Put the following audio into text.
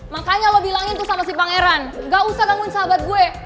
makanya lo bilangin tuh sama si pangeran gak usah bangunin sahabat gue